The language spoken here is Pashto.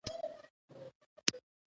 ګل د مینې راز لري.